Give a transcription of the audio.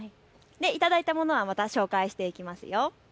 頂いたものはまた紹介していきます。